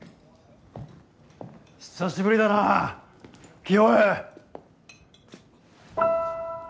久しぶりだな清恵。